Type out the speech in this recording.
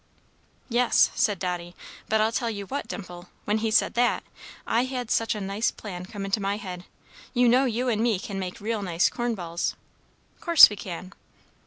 "Yes," said Dotty. "But I'll tell you what, Dimple! when he said that, I had such a nice plan come into my head. You know you and me can make real nice corn balls." "'Course we can."